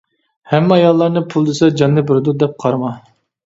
ھەممە ئاياللارنى پۇل دېسە جاننى بېرىدۇ دەپ قارىما.